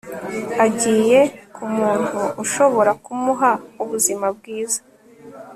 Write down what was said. agiye kumuntu ushobora kumuha ubuzima bwiza